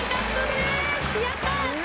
やった！